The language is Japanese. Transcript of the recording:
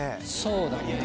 そうだね。